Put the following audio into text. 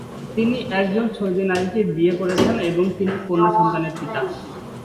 তিনি একজন সৌদি নারীকে বিয়ে করেছেন এবং তিনি তিন কন্যা সন্তানের পিতা।